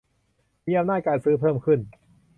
มีอำนาจการซื้อเพิ่มขึ้น